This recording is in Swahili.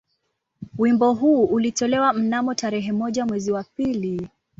Wimbo huu ulitolewa mnamo tarehe moja mwezi wa pili